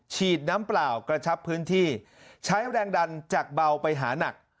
ฉีดน้ำเปล่ากระชับพื้นที่ใช้แรงดันจากเบาไปหานัก